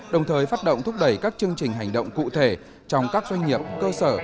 đồng thời phát động thúc đẩy các chương trình hành động cụ thể trong các doanh nghiệp cơ sở